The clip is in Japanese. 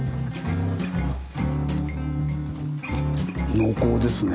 濃厚ですね。